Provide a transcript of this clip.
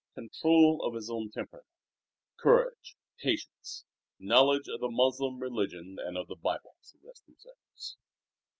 Control of his own temper, courage, patience, knowledge of the Moslem religion and of the Bible, suggest themselves.